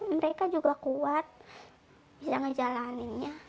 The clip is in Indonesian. mereka juga kuat bisa ngejalaninnya